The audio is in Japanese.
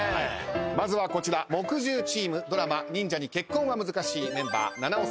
まずはこちら木１０チームドラマ『忍者に結婚は難しい』メンバー菜々緒さん